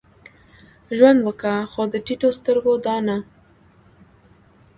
ژوند وکه؛ خو د ټيټو سترګو دا نه.